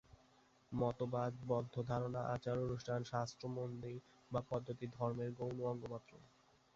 মতবাদ, বদ্ধ ধারণা, আচার-অনুষ্ঠান, শাস্ত্র-মন্দির বা পদ্ধতি ধর্মের গৌণ অঙ্গমাত্র।